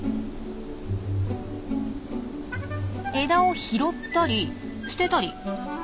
枝を拾ったり捨てたり。